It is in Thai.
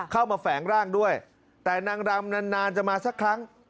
เข้ามาแฝงร่างด้วยแต่นางรำนานจะมาสักครั้ง